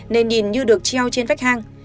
nên nhìn như được treo trên vách hang